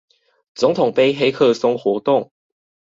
總統盃黑客松活動